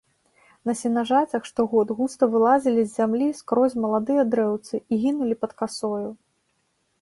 На сенажацях штогод густа вылазілі з зямлі скрозь маладыя дрэўцы і гінулі пад касою.